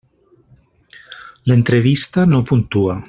L'entrevista no puntua.